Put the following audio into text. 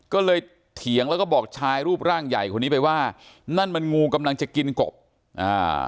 ก็เลยเถียงแล้วก็บอกชายรูปร่างใหญ่คนนี้ไปว่านั่นมันงูกำลังจะกินกบอ่า